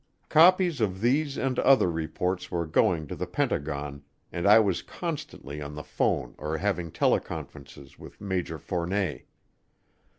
Copies of these and other reports were going to the Pentagon, and I was constantly on the phone or having teleconferences with Major Fournet.